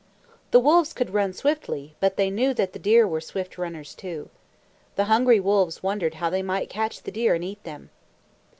The wolves could run swiftly, but they knew that the deer were swift runners, too. The hungry wolves wondered how they might catch the deer and eat them.